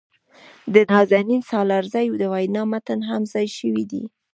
د نازنین سالارزي د وينا متن هم ځای شوي دي.